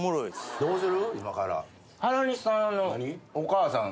どうする？